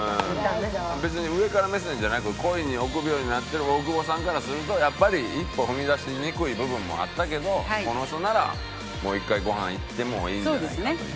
別に上から目線じゃなく恋に臆病になってる大久保さんからするとやっぱり一歩踏み出しにくい部分もあったけどこの人ならもう１回ごはん行ってもいいんじゃないかという。